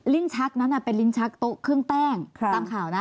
ชักนั้นเป็นลิ้นชักโต๊ะเครื่องแป้งตามข่าวนะ